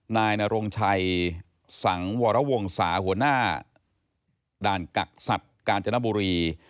นายนรงชัยสังวรวงศาหัวหน้าด่านกักสัตว์กาญจนบุรี